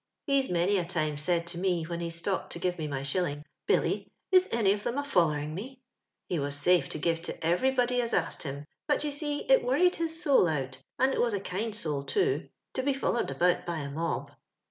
He's many a timo said to me, when he's stopped to give me my shilling, * Billy, is any of 'em a folleiing me ?' He was safe to give to every body as asked him, but you see it worried his soul out — and it was a kind soul, too — to be follercd about by a mob.